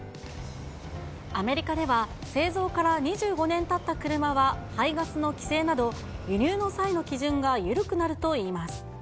アメリカでは製造から２５年たった車は排ガスの規制など、輸入の際の基準が緩くなるといいます。